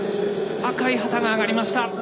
赤い旗が上がりました。